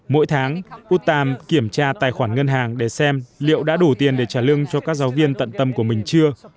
mỗi tháng put tam kiểm tra tài khoản ngân hàng để xem liệu đã đủ tiền để trả lương cho các giáo viên tận tâm của mình chưa